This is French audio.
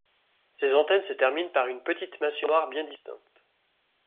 Ses antennes se terminent par une petite massue noire bien distincte.